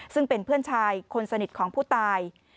ซึ่งเป็นเพื่อนชายคนสนิทของผู้ตาย